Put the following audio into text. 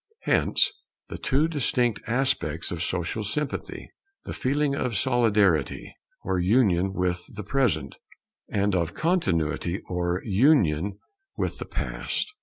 Hence the two distinct aspects of social sympathy: the feeling of Solidarity, or union with the Present; and of Continuity, or union with the Past.